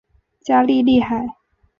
加利利海。